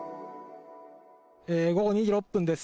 午後２時６分です。